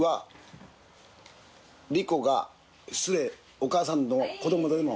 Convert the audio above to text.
お母さんの子どもでも。